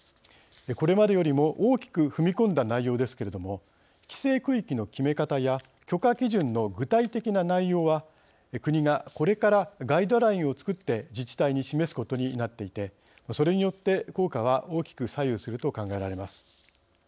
これまでよりも大きく踏み込んだ内容ですけれども規制区域の決め方や許可基準の具体的な内容は国がこれからガイドラインを作って自治体に示すことになっていてそれによって効果は大きく左右すると考えられます。